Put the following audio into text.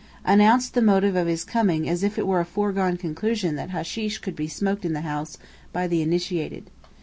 Announced the motive of his coming as if it were a foregone conclusion that hasheesh could be smoked in that house by the initiated.